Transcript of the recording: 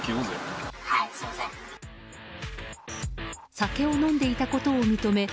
酒を飲んでいたことを認め